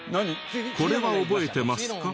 これは覚えてますか？